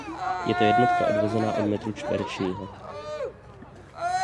Je to jednotka odvozená od metru čtverečního.